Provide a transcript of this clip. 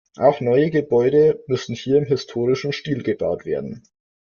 Auch neue Gebäude müssen hier im historischen Stil gebaut werden.